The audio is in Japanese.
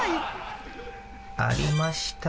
ありました。